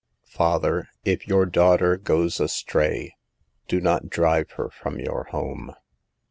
Father, if your daughter goes astray, do not drive her from your home.